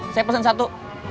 saya pesen satu